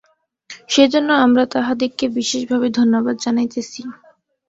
সে জন্য আমরা তাঁহাদিগকে বিশেষভাবে ধন্যবাদ জানাইতেছি।